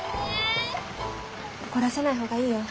怒らせない方がいいよ。